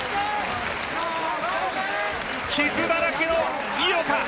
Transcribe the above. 傷だらけの井岡。